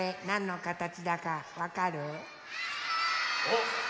おっ！